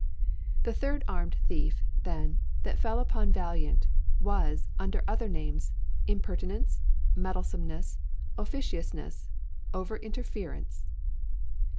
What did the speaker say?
The third armed thief, then, that fell upon Valiant was, under other names, Impertinence, Meddlesomeness, Officiousness, Over Interference.